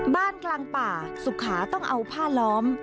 บ้านกลางป่าสุขาต้องเอาผ้าล้อม